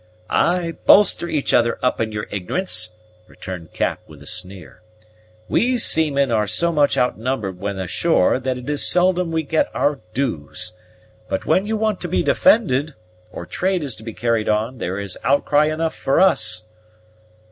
"Ay, bolster each other up in your ignorance," returned Cap with a sneer. "We seamen are so much out numbered when ashore that it is seldom we get our dues; but when you want to be defended, or trade is to be carried on, there is outcry enough for us."